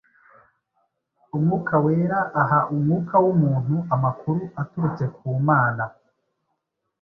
Umwuka Wera aha umwuka w’umuntu amakuru aturutse ku Mana,